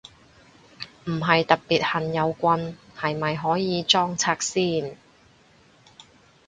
唔係特別恨有棍，係咪可以裝拆先？